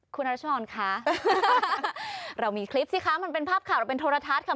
คุณรัชรคะเรามีคลิปสิคะมันเป็นภาพข่าวเราเป็นโทรทัศน์ค่ะ